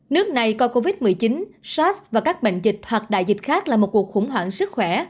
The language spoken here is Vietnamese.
nước này coi covid một mươi chín sars và các bệnh dịch hoặc đại dịch khác là một cuộc khủng hoảng sức khỏe